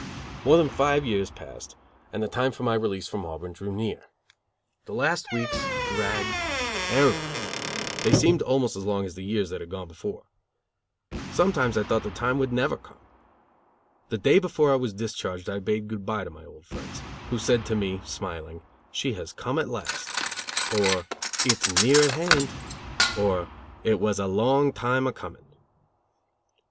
More than five years passed, and the time for my release from Auburn drew near. The last weeks dragged terribly; they seemed almost as long as the years that had gone before. Sometimes I thought the time would never come. The day before I was discharged I bade good bye to my friends, who said to me, smiling: "She has come at last," or "It's near at hand," or "It was a long time a coming."